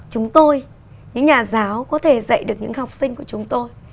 chúng tôi những nhà giáo có thể dạy được những học sinh của chúng tôi